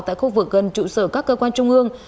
tại khu vực gần trụ sở các cơ quan trung ương